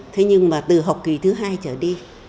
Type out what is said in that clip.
thế nhưng mà từ học kỳ thứ hai trở đi